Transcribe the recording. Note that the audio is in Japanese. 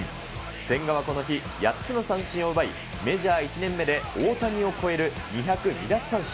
千賀はこの日、８つの三振を奪い、メジャー１年目で大谷を超える２０２奪三振。